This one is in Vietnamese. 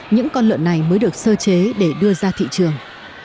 những con lợn này mới được sơ chế để đưa ra thị trường